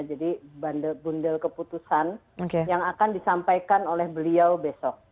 jadi bundle keputusan yang akan disampaikan oleh beliau besok